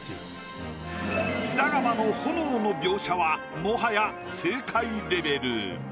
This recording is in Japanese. ピザ窯の炎の描写はもはや正解レベル。